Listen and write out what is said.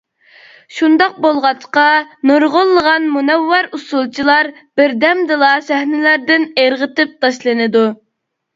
شۇنداق بولغاچقا نۇرغۇنلىغان مۇنەۋۋەر ئۇسسۇلچىلار بىردەمدىلا سەھنىلەردىن ئىرغىتىپ تاشلىنىدۇ.